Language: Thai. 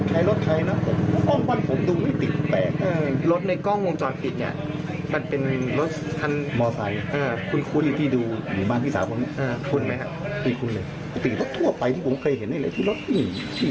มันก็ต้องเป็นคนนอกบุญบ้านไม่ใช่คนอื่นบ้าน